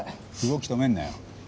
動き止めんなよ。